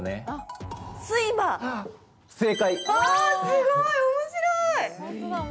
すごい、面白い！